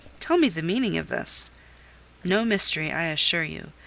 tell me the meaning of this." "No mystery, I assure you. M.